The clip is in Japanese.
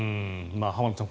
浜田さん